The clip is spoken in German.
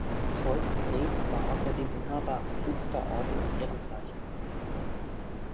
Voigts-Rhetz war außerdem Inhaber höchster Orden und Ehrenzeichen.